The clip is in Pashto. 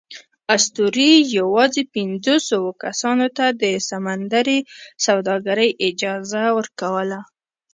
اسطورې یواځې پینځوسوو کسانو ته د سمندري سوداګرۍ اجازه ورکوله.